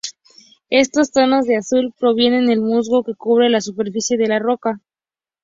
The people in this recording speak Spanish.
Estos tonos de azul provienen del musgo que cubre la superficie de la roca.